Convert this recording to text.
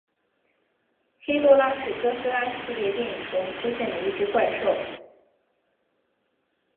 黑多拉是哥斯拉系列电影中出现的一只怪兽。